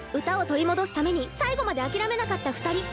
歌を取り戻すために最後まで諦めなかった２人。